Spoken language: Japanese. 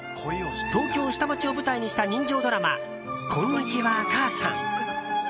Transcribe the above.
東京下町を舞台にした人情ドラマ「こんにちは、母さん」。